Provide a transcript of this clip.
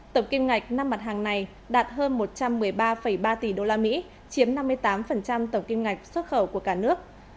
tổng kim ngạch năm mặt hàng này đạt hơn một trăm một mươi ba ba tỷ usd chiếm năm mươi tám tổng kim ngạch xuất khẩu của cả nước